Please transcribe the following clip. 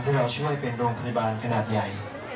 เราช่วยเป็นโรงพยาบาลขนาดใหญ่